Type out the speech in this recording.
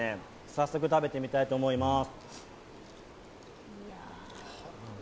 早速、食べてみたいと思います。